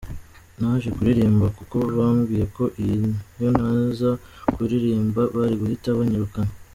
Naje kuririmba kuko bambwiye ko iyo ntaza kuririmba bari guhita banyirukana.